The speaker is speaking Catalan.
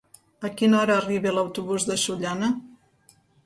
A quina hora arriba l'autobús de Sollana?